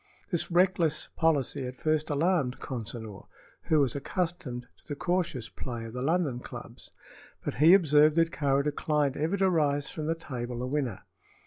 This reckless policy at first alarmed Consinor, who was accustomed to the cautious play of the London clubs; but he observed that Kāra declined ever to rise from the table a winner.